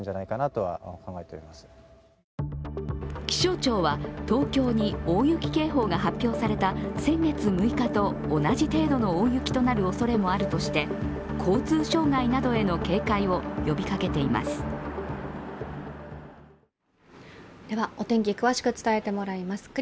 気象庁は東京に大雪警報が発表された先月６日と同じ程度の大雪となるおそれもあるとして交通障害などへの警戒を呼びかけています。